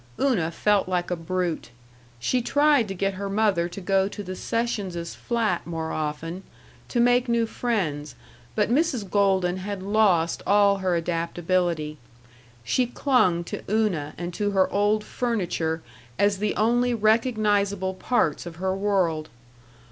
Una felt like a brute. She tried to get her mother to go to the Sessionses' flat more often, to make new friends, but Mrs. Golden had lost all her adaptability. She clung to Una and to her old furniture as the only recognizable parts of her world.